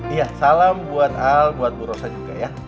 iya salam buat al buat burosa juga ya